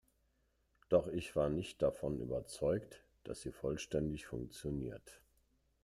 Doch ich war nicht davon überzeugt, dass sie vollständig funktioniert.